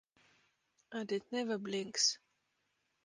And it never blinks.